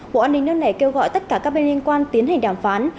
bộ an ninh nước này kêu gọi tất cả các bên liên quan tiến hành đàm phán